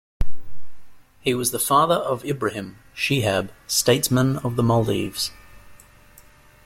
He was the father of Ibrahim Shihab, statesman of the Maldives.